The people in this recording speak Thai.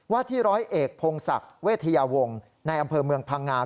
ที่ร้อยเอกพงศักดิ์เวทยาวงศ์ในอำเภอเมืองพังงา